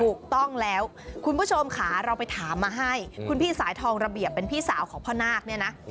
ถูกต้องแล้วคุณผู้ชมค่ะเราไปถามมาให้คุณพี่สายทองระเบียบเป็นพี่สาวของพ่อนาคเนี่ยนะ